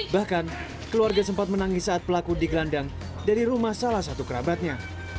bahkan keluarga sempat menangis saat pelaku digelandang dari rumah salah satu kerabatnya